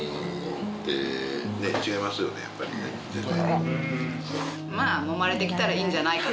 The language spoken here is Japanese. やっぱりね絶対。